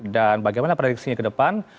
dan bagaimana prediksinya ke depan